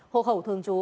hộ khẩu thường trú